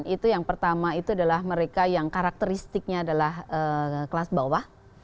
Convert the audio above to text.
itu yang pertama itu adalah mereka yang karakteristiknya adalah kelas bawah